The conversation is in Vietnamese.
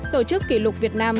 tổ chức kỷ lục việt nam